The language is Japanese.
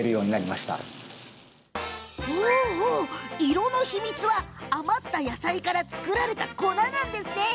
色の秘密は余った野菜から作られた粉なんですね。